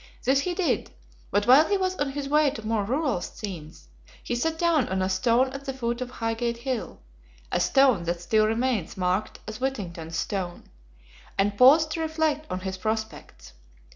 This he did, but while he was on his way to more rural scenes, he sat down on a stone at the foot of Highgate Hill (a stone that still remains marked as "Whittington's Stone") and paused to reflect on his prospects.